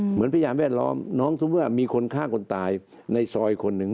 เหมือนพยาบาลแวดล้อมน้องทุกว่ามีคนฆ่าคนตายในซอยคนหนึ่ง